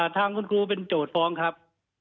ทางคุณครูเป็นโจทย์ฟ้องครับ